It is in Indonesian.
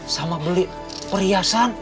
sama beli perhiasan